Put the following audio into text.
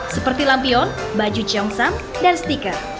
seperti lampion baju ciongsam dan stiker